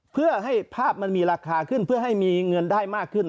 เพื่อให้ภาพมันมีราคาขึ้นเพื่อให้มีเงินได้มากขึ้น